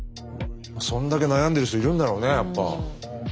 そんだけ悩んでる人いるんだろうねやっぱ。